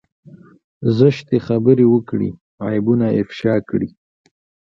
زشتې خبرې وکړي عيبونه افشا کړي.